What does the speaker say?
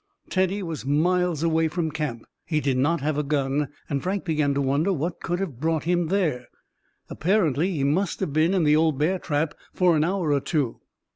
Teddy was miles away from camp. He did not have a gun, and Frank began to wonder what could have brought him there. Apparently he must have been in the old bear trap for an hour or two.